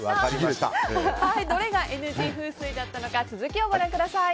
どれがＮＧ風水だったのか続きをご覧ください。